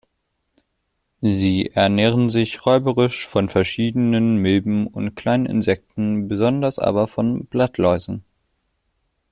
Sie ernähren sich räuberisch von verschiedenen Milben und kleinen Insekten, besonders aber von Blattläusen.